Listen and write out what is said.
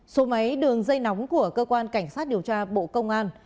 số máy đường dây nóng của cơ quan cảnh sát điều tra bộ công an